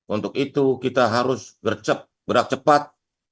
untuk itu kita harus gercep gerak cepat